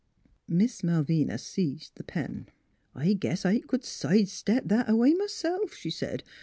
Miss Malvina seized the pen. " I guess I could side step that a way, m'self," she said.